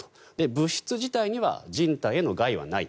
物質自体には人体への害はない。